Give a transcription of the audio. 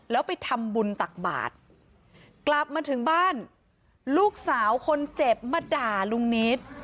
แล้วไปทำบุญตักบาทกลับมาถึงบ้านลูกสาวคนเจ็บมาด่าลุงนิด